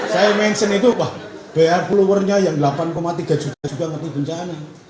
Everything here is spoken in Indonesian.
saya mention itu wah br pulau wernya yang delapan tiga juta juga ngetik bencana